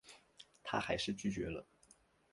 她还是拒绝了